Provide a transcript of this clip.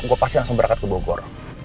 gue pasti langsung berangkat ke bogor